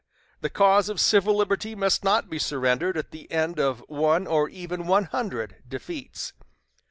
The cause of civil liberty must not be surrendered at the end of one or even one hundred defeats.